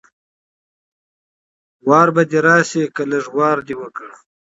وار به دې راشي که لږ وار دې وکړ